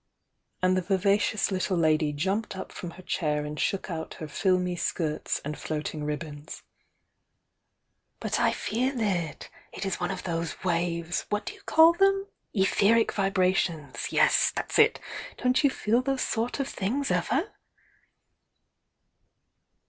and the vivacious little lady jumped up from her chair and shook out her filmy skirts and floating ribbons. "But I feel it! Iiisone of those 'waves'— what do you call them?— 'etheric vibrations!' Yes, that's it! Don't you feel those sort of things ever?"